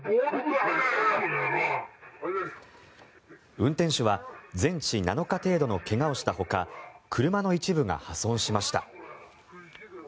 運転手は全治７日程度の怪我をしたほか車の一部が破損しました。